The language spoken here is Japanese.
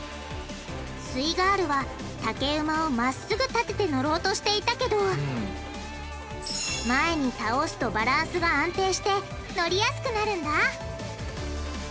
イガールは竹馬をまっすぐ立ててのろうとしていたけど前に倒すとバランスが安定してのりやすくなるんだ！